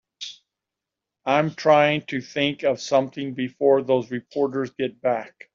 I'm trying to think of something before those reporters get back.